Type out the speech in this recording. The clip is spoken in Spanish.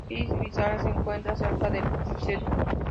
Piz Bernina se encuentra cerca de St.